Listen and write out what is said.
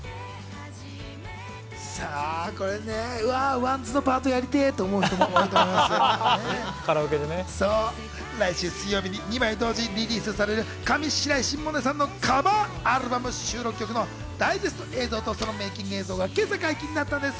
ＷＡＮＤＳのパートをやりて来週水曜日に２枚同時リリースされる上白石萌音さんのカバーアルバム収録曲のダイジェスト映像と、そのメイキング映像が今朝、解禁になったんです。